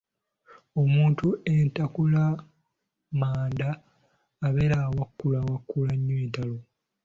Omuntu entakulamanda abeera awakulawakula nnyo entalo.